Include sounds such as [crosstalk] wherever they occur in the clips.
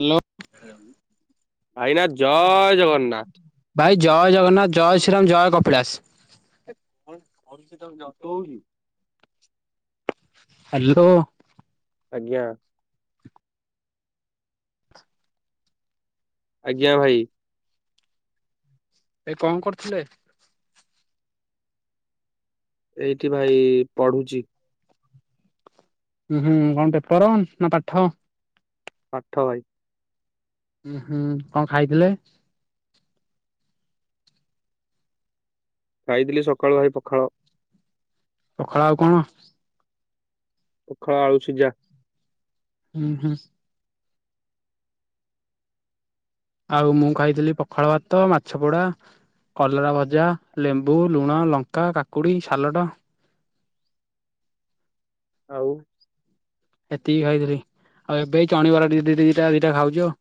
Hello ଭାଇନା ଜୟ ଜଗନ୍ନାଥ। ଭାଇ ଜୟ ଜଗନ୍ନାଥ ଜୟ ଶ୍ରୀରାମ ଜୟ କପିଳାସ। ହ୍ୟାଲୋ। ଆଜ୍ଞା। ଆଜ୍ଞା ଭାଇ। ଭାଇ କଣ କରୁଥିଲେ। ଏଇଠି ଭାଇ ପଢୁଛି। ହୁଁ ହୁଁ କଣ ପେପର ନା ପାଠ? ପାଠ ଭାଇ। ଉଁ ହୁଁ କଣ ଖାଇଥିଲେ? ଖାଇଥିଲି ସକାଳୁ ଭାଇ ପଖାଳ। ପଖାଳ ଆଉ କଣ? ପଖାଳ ଆଳୁ ସିଜା। ହୁଁ ହୁଁ? ଆଉ ମୁଁ ଖାଇଥିଲି ପଖାଳ ଭାତ ମାଛ ପୋଡା। କଲରା ଭଜା, ଲେମ୍ବୁ, ଲୁଣ, ଲଙ୍କା, କାକୁଡ଼ି ସାଲଟ। ଆଉ? ଏତିକି ଖାଇଥିଲି ଆଉ ଏବେ ଚଣିବରା ଦି ଦିଟା ଦିଟା ଖାଉଛି ଆଉ।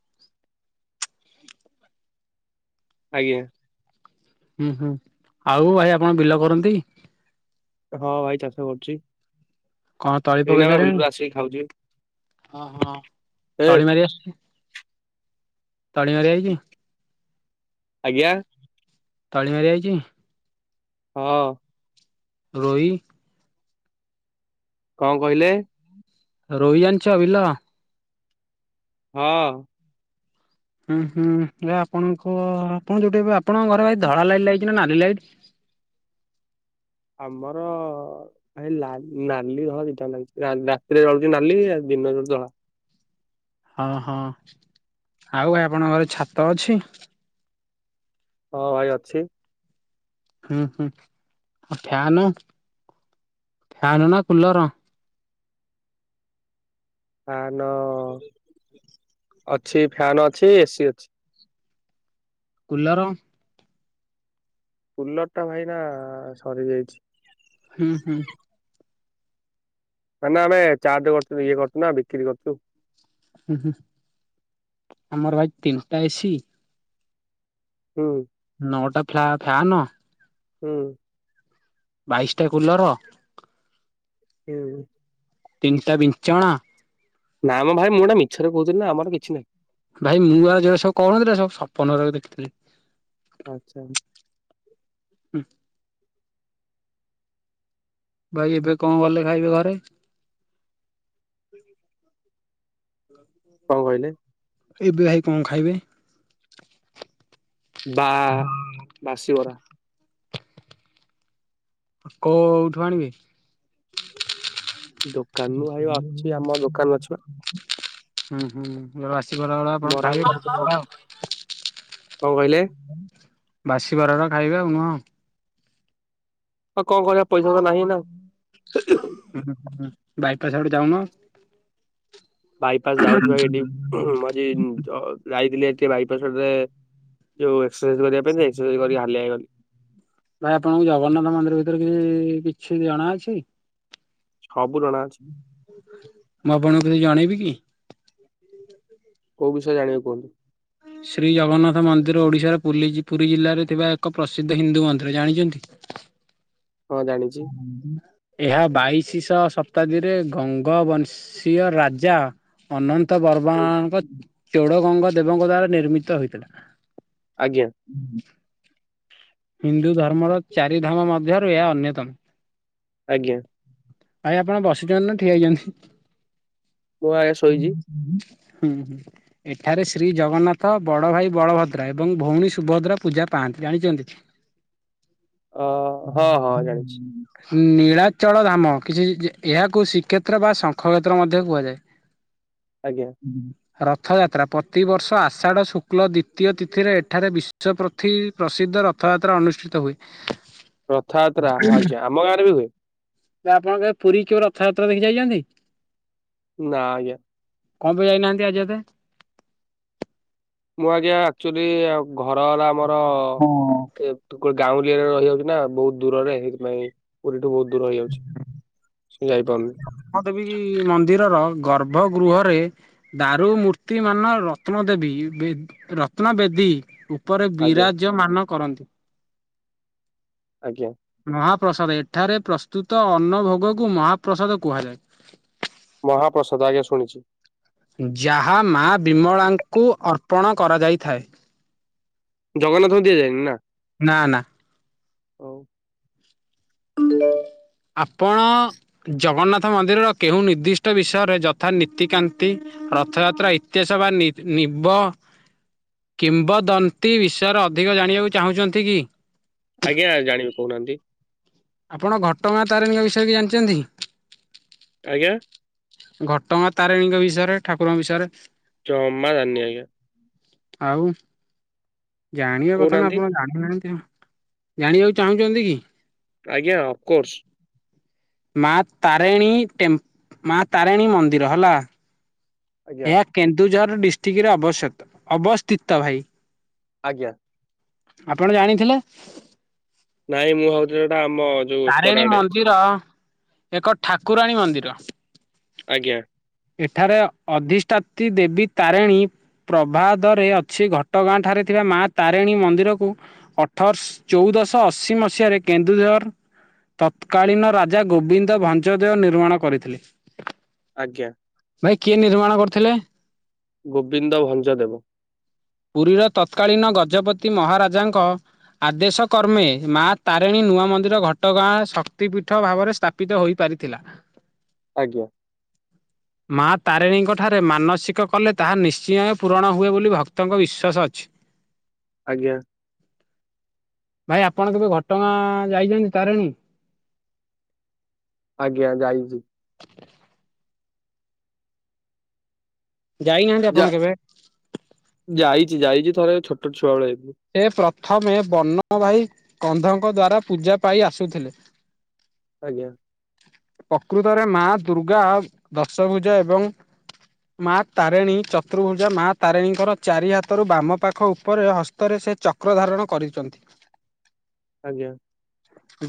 ଆଜ୍ଞା। ହୁଁ ହୁଁ ଆଉ ଭାଇ ଆପଣ ବିଲ କରନ୍ତି? ହଁ ଭାଇ ଚାଷ କରୁଛି। କଣ ତଳି ଏଇନା ପକେଇ ବା ବିଲରୁ ସାରିଲେନି? ଆସିକି ଖାଉଛି ହଁ ହଁ ଏ ତଳି ମାରି ଆସୁଛି? ତାଳିମାର ଆଇଛି ଆଜ୍ଞା ତାଳିମାର ଆଇଛି। ହଁ। ରୋହି? କଣ କହିଲେ? ରୋହି ଜାଣିଛ ବିଲ? ହଁ। ହୁଁ ହୁଁ ଏ ଆପଣଙ୍କ ଯୋଉଠି ଆପଣଙ୍କ ଘରେ ଭାଇ ଧଳା ଲାଇଟ ଲାଗଛି ନା ନାଲି ଲାଇଟ୍? ଆମର ଲାଲି ନାଲି ଧଳା ଦିଟା ଲାଗୁଛି ରାତିରେ ରଳୁଛି ନାଲି ଆଉ ଦିନରେଜଳୁଛି ଧଳା। ହଁ ହଁ ଆଉ ଆପଣଙ୍କ ଘରେ ଛାତ ଅଛି? ହଁ ଭାଇ ଅଛି। ହଁ ହଁ ଫ୍ୟାନ ଫ୍ୟାନ ନା କୁଲର। ଫ୍ୟାନ ଅଛି ଫ୍ୟାନ ଅଛି ଏସି ଅଛି। କୁଲର? କୁଲର ଟା ଭାଇନା ସରି ଯାଇଛି। ହୁଁ ହୁଁ। କାଇ ନା ଆମେ ଚାଟ କରୁଛୁ ଇଏ କରୁଛୁ ନା ବିକ୍ରି କରୁଛୁ। ହୁଁ ହୁଁ ଆମର ଭାଇ ତିନିଟା ଏସି। ହୁଁ। ନଅଟା ଫ୍ୟା ଫ୍ୟାନ। ହୁଁ ହୁଁ। ବାଇଶିଟା କୁଲର। କିୟୁ ହୁଁ। ତିନିଟା ବିଚଣା। ନା ମ ଭାଇ ମୁଁ ଗୋଟେ ମିଛରେ କହୁଥିନି ନା ଆମର କିଛି ନାହିଁ। ଭାଇ ମୁଁ ଆଉ ଯୋଉଗୁଡା ସବୁ କହୁନଥିଲି ନାଁ। ସବୁ ସପନର ଦେଖିଥିଲି। ପାଞ୍ଚାଳୀ। ହୁଁ। ଭାଇ ଏବେ କ ଗଲେ ଖାଇବେ ଘରେ? [unintelligible] କ କହିଲେ? ଏବେ ଭାଇ କ ଖାଇବେ? ବା ବାସିବରା। କୋଉଉଠୁ ଆଣିବେ କି? ଦୋକାନରୁ ଭାଇ ଅଛି। ଆମ ଦୋକାନ ଅଛିବା। ହୁଁ ହୁଁଁ। ବାସିବରା ଗୁରା ଆପଣ ବରା ଖାଇବେ ଗୋଟେ ବାସିବରା କଣ ଆଉ। କହିଲେ ବାସିବରା ଗୁରା ଖାଇବେ ଆଉ ନୁହଁ ଆଉ। ଆଉ କ କରିବା ପଇସା ତ ନାହିଁ ଏଇନା। ବାଇକିରେ ସିଆଡ଼କୁ ଯାଉନା। ବାଇପାସ ଯାଉଛି ପା ଏଡି। ମଜି ଯାଇଥିଲି ଆଜି ବାଇପାସଡରେ। ଯୋଉ ଏକ୍ସରସାଇଜ୍ କରିବା ପାଇଁ ଯାଇଚି। କରିକି ହାଲିଆହେଇଗଲି ଭାଇ ଆପଣଙ୍କୁ ଜଗନ୍ନାଥ ମନ୍ଦିର ଭିତରେ କି କିଛି ଜଣା ଅଛି? ସବୁ ଜଣା ଅଛି। ମୁଁ ଆପଣଙ୍କୁ କିଛି ଜଣେଇ ବିକି। କୋଉ ବିଷୟ ଜାଣିବ କୁହନ୍ତୁ? ଶ୍ରୀ ଜଗନ୍ନାଥ ମନ୍ଦିର ଓଡ଼ିଶାର ପୁଲି ପୁରୀ ଜିଲ୍ଲାରେ ଥିବା ଏକ ପ୍ରସିଦ୍ଧ ହିନ୍ଦୁ ମନ୍ଦିର। ଜାଣିଛନ୍ତିନାଁ ହଁ ଜାଣିଛି ହଁ। ଏହା ବାଇଶି ଶହ ଶତାବ୍ଦୀରେ ଗଙ୍ଗବଂଶୀୟ ରାଜା। ଅନନ୍ତ ବର୍ଵବାଙ୍କ ଚଡ ଗଙ୍ଗା ଦେବଙ୍କ ଦ୍ଵାରା ନିର୍ମିତ ହୋଇଥିଲା। ଆଜ୍ଞା। ହୁଁ। ହିନ୍ଦୁ ଧର୍ମର ଚାରି ଧାମ ମଧ୍ୟରୁ ଏହା ଅନ୍ୟତମ। ଆଜ୍ଞା। ଭାଇ ଆପଣ ବସିଛନ୍ତି ନା ଠିଆ ହେଇଛନ୍ତି। ପୁଅ ଆଗେ ଶୋଇଛି। ହୁଁ ହୁଁ। ଏଠାରେ ଶ୍ରୀ ଜଗନ୍ନାଥ, ବଡ଼ ଭାଇ ବଳଭଦ୍ର, ଏବଂ ଭଉଣୀ ସୁଭଦ୍ରା, ପୂଜା ପାଆନ୍ତି ଜାଣିଛନ୍ତି। ଅ ହଁ ହଁ ଜାଣିଛି। ଇଁ ନୀଳାଚଳ ଧାମ କିଛି ଏହାକୁ ଶ୍ରୀକ୍ଷେତ୍ର ବା ଶଙ୍ଖ କ୍ଷେତ୍ର ମଧ୍ୟ କୁହାଯାଏ। ଆଜ୍ଞା। ହୁଁ। ରଥଯାତ୍ରା ପତିବର୍ଷ ଆଷାଢ଼ ଶୁକ୍ଲ ଦ୍ଵିତୀୟ ତିଥିରେ ଏଠାରେ ବିଶ୍ୱ ପ୍ରଥି ପ୍ରସିଦ୍ଧ ର ରଥଯାତ୍ରା ଅନୁଷ୍ଠିତ ହୁଏ। ରଥଯାତ୍ରା ହଁ ଆଜ୍ଞା ଆମ ଗାଁରେ ବି ହୁଏ। ବା ଆପଣ କେବେ ପୁରୀ କିଉ ରଥଯାତ୍ରା ଦେଖି ଯାଇଚନ୍ତି? ନାଁ ଆଜ୍ଞା। କଣ ପାଇଁ ଯାଇନାହାନ୍ତି ଆଜିଏତେ? ମୁଁ ଆଜ୍ଞା ଆକ୍ଚୁଆଲି ଘର ହେଲା ଆମର ଏତ୍ ଗାଁଉଲିରେ ରହିଯାଉଚୁ ନା ବହୁତ୍ ଦୂରରେ। ସେଇଥିପାଇଁ ପୁରୀଠୁ ବହୁତ୍ ଦୂର ହେଇଯାଉଚି। ସେ ଯାଇପାରୁନି। ହଁ ଦେବୀ ମନ୍ଦିରର ଗର୍ଭ ଗୃହରେ ଦାରୁ ମୂର୍ତ୍ତି ମାନ ରତ୍ନ ଦେବୀ ବେ ରତ୍ନ ବେଦୀ। ଉ ଉପରେ ଆଜ୍ଞା ବିରାଜ୍ଯମାନ କରନ୍ତି। ଆଜ୍ଞା। ମହାପ୍ରସାଦ ଏଠାରେ ପ୍ରସ୍ତୁତ ଅନ୍ନ ଭୋଗକୁ ମହାପ୍ରସାଦ କୁହାଯାଏ। ମହାପ୍ରସାଦ ଆଜ୍ଞା ଶୁଣିଚି। ଯାହା ମା ବିମଳାଙ୍କୁ ଅର୍ପଣ କରାଯାଇଥାଏ। ଜଗନ୍ନାଥଙ୍କୁ ଦିଆଯାଏନି ନା? ନା ନା। ହଉ ଆପଣ ଜଗନ୍ନାଥ ମନ୍ଦିରର କେଉଁ ନିର୍ଦ୍ଦିଷ୍ଟ ବିଷୟରେ ଯଥା ନୀତିକାନ୍ତି ରଥଯାତ୍ରା ଇତିହାସ ବା ନି ନିବ କିମ୍ବଦନ୍ତୀ ବିଷୟରେ ଅଧିକ ଜାଣିବାକୁ ଚାହୁଁଚନ୍ତି କି? ଆଜ୍ଞା ଜାଣିବି କହୁନାହାନ୍ତି? ଆପଣ ଘଟଗାଁ ତାରିଣୀଙ୍କ ବିଷୟରେ କିଛି ଜାଣିଚନ୍ତି? ଆଜ୍ଞା। ଘଟଗାଁ ତାରିଣୀଙ୍କ ବିଷୟରେ? ଠାକୁରଙ୍କ ବିଷୟରେ? ଜମା ଜାଣିନି ଆଜ୍ଞା। ଆଉ ଜାଣିବା କଥା ନା କହୁନାହାନ୍ତି ଆପଣ ଜାଣି ନାହାନ୍ତି ଆଉ। ଜାଣିବାକୁ ଚାହୁଁଚନ୍ତି କି? ଆଜ୍ଞା। ଅପକୋର୍ସ। ମା ତାରିଣୀ ଟେମ୍ପ୍ ତାରେଣୀ ମନ୍ଦିର ହେଲା। ଆଜ୍ଞା ଏହା କେନ୍ଦୁଝର ଡିଷ୍ଟ୍ରିକ୍ଟରେ ଅବସିତ ଅବସ୍ଥିତ ଭାଇ। ଆଜ୍ଞା। ଆପଣ ଜାଣିଥିଲେ? ନାଇଁ ମୁଁ ଭାବୁଥିଲି ହେଟା ଆମର୍ ତାରେଣୀ ମନ୍ଦିର ଏକ ଠାକୁରାଣୀ ମନ୍ଦିର। ଆଜ୍ଞା। ଏଠାରେ ଅଧିଷ୍ଠାତୀ ଦେବୀ ତାରେଣୀ ପ୍ରଭାଦରେ ଅଛି ଘଟଗାଁ ଠାରେ ଥିବା ମା ତାରେଣୀ ମନ୍ଦିରକୁ ଅଠରଶ ଚଉଦଶହ ଅଶୀ ମସିହାରେ କେନ୍ଦୁଝର ତତତ୍କାଳୀନ ରାଜା ଗୋବିନ୍ଦ ଭଞ୍ଜଦେଓ ନିର୍ମାଣ କରିଥିଲେ। ଆଜ୍ଞା। ଭାଇ କିଏ ନିର୍ମାଣ କରିଥିଲେ? ଗୋବିନ୍ଦ ଭଞ୍ଜ ଦେବ। ପୁରୀର ତ ତତ୍କାଳୀନ ଗଜପତି ମହାରାଜାଙ୍କ ଆଦେଶ କର୍ମେ ମା ତାରିଣୀ ନୂଆ ମନ୍ଦିର ଘଟ ଘଟଗାଁ ଶକ୍ତିପୀଠ ଭାବରେ ସ୍ଥାପିତ ହୋଇପାରିଥିଲା। ଆଜ୍ଞା। ମା ତାରିଣୀଙ୍କ ଠାରେ ମାନସିକ କଲେ ତାହା ନିଶ୍ଚୟ ପୂରଣ ହୁଏ ବୋଲି ଭକ୍ତଙ୍କ ବିଶ୍ୱାସ ଅଛି। ଆଜ୍ଞା। ଭାଇ ଆପଣ କେବେ ଘଟଗାଁ ଯାଇଛନ୍ତି ତାରିଣୀ? ଆଜ୍ଞା ଯାଇଛି। ଯାଇନାହାନ୍ତି ଯା ଆପଣ କେବେ? ଯାଇଛି ଯାଇଛି ଥରେ ଛୋଟ ଛୁଆବେଳେ ଯାଇଚି। ସେ ପ୍ରଥମେ ବର୍ଣ୍ଣଭାଇ କନ୍ଧଙ୍କ ଦ୍ଵାରା ପୂଜା ପାଇ ଆସୁଥିଲେ। ଆଜ୍ଞା। ପ୍ରକୃତରେ ମା ଦୁର୍ଗା ଦଶଭୂଜା ଏବଂ ମା ତାରିଣୀ ଚତୁର୍ଭୁଜା। ମା ତାରିଣୀଙ୍କର ଚାରି ହାତରୁ ବାମ ପାଖ ଉପରେ ହସ୍ତରେ ସେ ଚ ଚକ୍ରଧାରଣ କରିଛନ୍ତି। ଆଜ୍ଞା।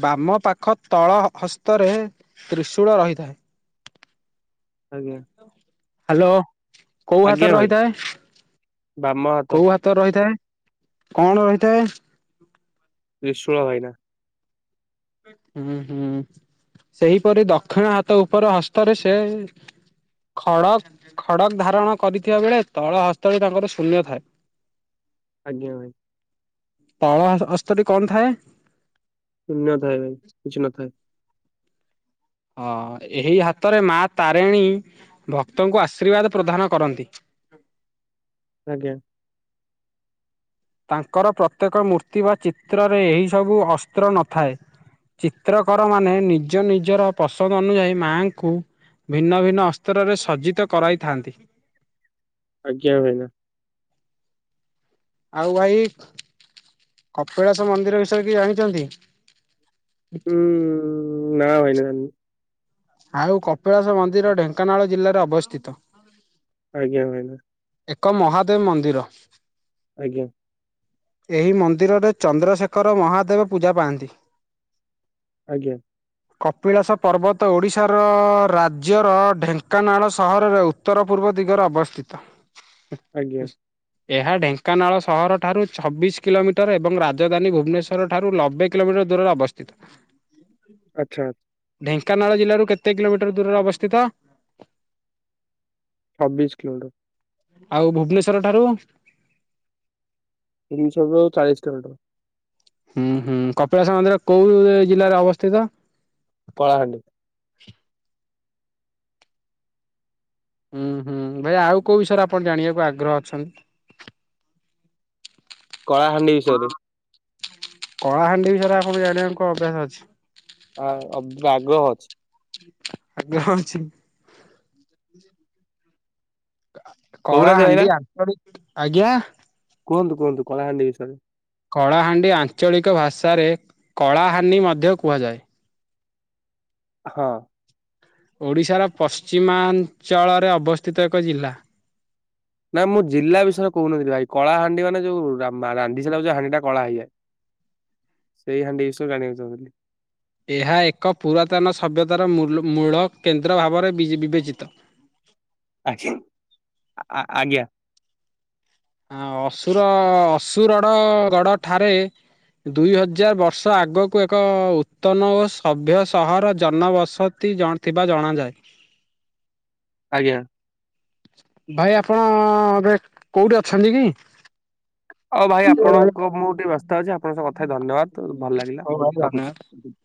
ବାମ ପାଖ ତଳ ହସ୍ତରେ ତ୍ରିଶୂଳ ରହିଥାଏ। ଆଜ୍ଞା ହ୍ୟାଲୋ। କୋଉ ଆଜ୍ଞା ହାତରେ ଭାଇ ରହିଥାଏ? ବାମ ହାତ କୋଉ ହାତରେ ରହିଥାଏ କଣ ରହିଥାଏ? ତ୍ରିଶୂଳ ଭାଇନା। ହୁଁ ହୁଁ। ସେହିପରି ଦକ୍ଷିଣ ହାତ ଉପର ହସ୍ତରେ ସେ ଖଡ଼ ଖଡ଼କ ଧାରଣ କରିଥିବା ବେଳେ ତଳ ହସ୍ତ ତାଙ୍କର ଶୂନ୍ୟ ଥାଏ। ଆଜ୍ଞା ଭାଇ। ତଳ ହସ୍ତଟି କଣ ଥାଏ? ନ ଥାଏ ଭାଇ କିଛି ନଥାଏ। ହଁ, ଏହି ହାତରେ ମା ତାରିଣୀ ଭକ୍ତଙ୍କୁ ଆଶୀର୍ବାଦ ପ୍ରଦାନ କରନ୍ତି। ଆଜ୍ଞା। ତାଙ୍କର ପ୍ରତ୍ୟେକ ମୂର୍ତ୍ତି ବା ଚିତ୍ରରେ ଏହି ସବୁ ଅସ୍ତ୍ର ନଥାଏ। ଚିତ୍ରକର ମାନେ ନିଜ ନିଜର ପସନ୍ଦ ଅନୁଯାୟୀ ମାଙ୍କୁ ଭିନ୍ନ ଭିନ୍ନ ଅସ୍ତ୍ରରେ ସଜିତ କରାଇଥାନ୍ତି। ଆଜ୍ଞା, ଭାଇନା। ଆଉ ଭାଇ, କପିଳାସ ମନ୍ଦିର ବିଷୟରେ କିଛି ଜାଣିଛନ୍ତି? ଉୁଁ ନା ଦ୍ଭାଇ ନା ଜାଣିନାହିଁ। ଆଉ କପିଳାସ ମନ୍ଦିର ଢେଙ୍କାନାଳ ଜିଲ୍ଲାରେ ଅବସ୍ଥିତ। ଆଜ୍ଞା, ଭାଇନା। ଏକ ମହାଦେବ ମନ୍ଦିର। ଆଜ୍ଞା। ଏହି ମନ୍ଦିରରେ ଚନ୍ଦ୍ରଶେଖର ମହାଦେବ ପୂଜା ପାଆନ୍ତି। ଆଜ୍ଞା। କପିଳାସ ପର୍ବତ ତ ଓଡ଼ିଶାର ରାଜ୍ୟର ଢେଙ୍କାନାଳ ସହରରେ ଉତ୍ତର ପୂର୍ବ ଦିଗରେ ଅବସ୍ଥିତ। [inaudible] ଆଜ୍ଞା। ଏହା ଢେଙ୍କାନାଳ ସହରଠାରୁ ଛବିଶ କିଲୋମିଟର ଏବଂ ରାଜଧାନୀ ଭୁବନେଶ୍ୱର ର ଠାରୁ ନବେ କିଲୋମିଟର ଦୂରରେ ଅବସ୍ଥିତ। ଆଛା। କାନାଳ ଜିଲ୍ଲାରୁ କେତେ କିଲୋମିଟର ଦୂରରେ ଅବସ୍ଥିତ? ଛବିଶ କିଲୋମିଟର। ଆଉ ଭୁବନେଶ୍ଵର ଠାରୁ? ଭୂବନେଶ୍ୱର ରୁଚାଳିଶ କିଲୋଟର। ହୁଁ ହୁଁ କପିଳାସ ମନ୍ଦିର କୋଉ ଜିଲ୍ଲାରେ ଅବସ୍ଥିତ? କଳାହାଣ୍ଡି। ହୁଁ ହୁଁ ଭାଇ ଆଉ କୋଉ ବିଷୟରେ ଆପଣ ଜାଣିବାକୁ ଆଗ୍ରହ ଅଛନ୍ତି? [inaudible] କଳାହାଣ୍ଡି ବିଷୟରେ। କଳାହାଣ୍ଡି ବିଷୟରେ ଆପଣ ଜାଣିବା କ ଅଭ୍ୟାସ ଅଛି। ଆ ଅବ ବି ଆଗ୍ରହ ଅଛି। ଆଗ୍ରହ ଅଛି। କହୁନାହାନ୍ତି ଭାଇନା କଳାହାଣ୍ଡି [unintelligible] ଆଜ୍ଞା। କୁହନ୍ତୁ କୁହନ୍ତୁ କଳାହାଣ୍ଡି ବିଷୟରେ? କଳାହାଣ୍ଡି ଆଞ୍ଚଳିକ ଭାଷାରେ କଳାହାନି ମଧ୍ୟ କୁହାଯାଏ। ହଁ। ଓଡ଼ିଶାର ପଶ୍ଚିମାଞ୍ଚଳରେ ଅବସ୍ଥିତ ଏକ ଜିଲ୍ଲା। ନା ମୁଁ ଜିଲ୍ଲା ବିଷୟରେ କହୁନଥିଲି ଭାଇ କଳା ହାଣ୍ଡି ମାନେ ଯୋଉ ରାନ୍ଧି ସାରିଲା ପରେ ଯଉ ହଣ୍ଡି ଟା କଳା ହେଇଯାଏ। [inaudible] ସେଇ ହାଣ୍ଡି ବିଷୟରେ ଜାଣିବାକୁ ଚାହୁଥିଲି। ଏହା ଏକ ପୁରାତନ ସଭ୍ୟତାର ମୂଳ କେନ୍ଦ୍ର ଭାବରେ ବିବେଚିତ। ଆଜ୍ଞା, ଆଜ୍ଞା। ଆ ଅସୁର ଅସୁରଡ ଗଡ ଠାରେ ଦୁଇ ହଜାର ବର୍ଷ ଆଗକୁ ଏକ ଉତ୍ତନ ଓ ସଭ୍ୟ ସହର ଜନବସତି ଜଣ ଥିବା ଜଣାଯାଏ। ଆଜ୍ଞା। ଭାଇ ଆପଣ କୋଉଠି ଅଛନ୍ତି କି? ହଉ ଭାଇ [unintelligible] ଆପଣଙ୍କ ମୁଁ ଟିକେ ହଉ ବ୍ୟସ୍ତ ଅଛି ଆପଣଙ୍କ ସହ କଥା ହେଇ ଭାଇ ଧନ୍ୟବାଦ ଭଲ ଲାଗିଲା ଧନ୍ୟ ରଖୁଛି। ବାଦ୍।